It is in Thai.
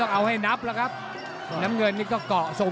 มั่นใจว่าจะได้แชมป์ไปพลาดโดนในยกที่สามครับเจอหุ้กขวาตามสัญชาตยานหล่นเลยครับ